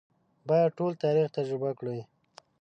باید ټول تاریخ تجربه کړي.